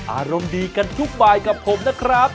อารมณ์ดีกันทุกบายกับผมนะครับ